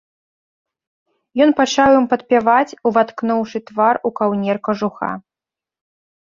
Ён пачаў ім падпяваць, уваткнуўшы твар у каўнер кажуха.